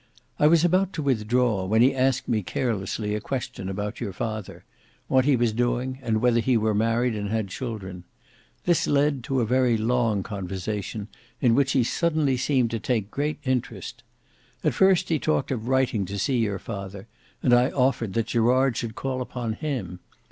I was about to withdraw, when he asked me carelessly a question about your father; what he was doing, and whether he were married and had children. This led to a very long conversation in which he suddenly seemed to take great interest. At first he talked of writing to see your father, and I offered that Gerard should call upon him.